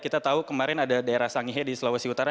kita tahu kemarin ada daerah sangihe di sulawesi utara